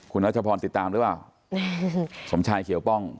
คุณรัชพรติดตามหรือเปล่าสมชายเขียวป้อง